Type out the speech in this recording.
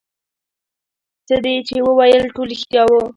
څه دې چې وويل ټول رښتيا وو.